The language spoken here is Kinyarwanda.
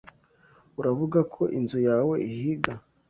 Uravuga ko inzu yawe ihiga?